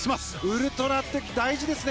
ウルトラ大事ですね